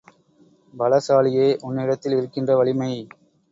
பலசாலியே உன்னிடத்தில் இருக்கின்ற வலிமை!